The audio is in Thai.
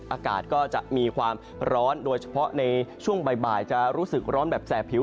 อากาศก็จะมีความร้อนโดยเฉพาะในช่วงบ่ายจะรู้สึกร้อนแบบแสบผิว